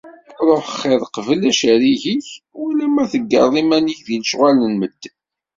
Ruḥ xiḍ qbel acerrig-ik, wala ma teggareḍ iman-ik deg lecɣal n medden!